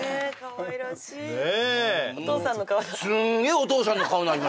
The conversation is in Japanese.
お父さんの顔だ